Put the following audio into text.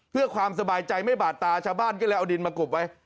เพื่อความสบายใจไม่บาดตาชาวบ้านก็เลยเอาดินมากบไว้